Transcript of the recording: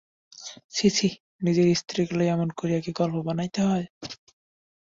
ছি ছি নিজের স্ত্রীকে লইয়া এমনি করিয়া কি গল্প বানাইতে হয়?